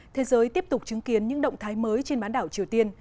thế giới tiếp tục chứng kiến những động thái mới trên bán đảo triều tiên